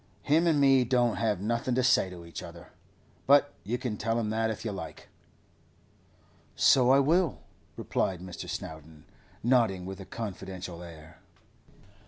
Him an' me don't have nothing to say to each other—but you can tell him that, if you like.' 'So I will,' replied Mr. Snowdon, nodding with a confidential air.